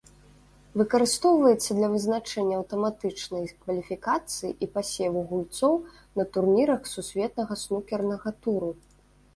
Выкарыстоўваецца для вызначэння аўтаматычнай кваліфікацыі і пасеву гульцоў на турнірах сусветнага снукернага туру.